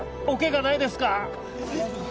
おケガないですか？